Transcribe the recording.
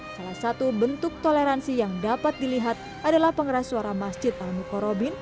salah satu bentuk toleransi yang dapat dilihat adalah pengeras suara masjid al mukhorobin